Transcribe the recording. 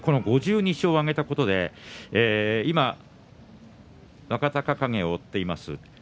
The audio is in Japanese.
５２勝を挙げたことで若隆景を追っています。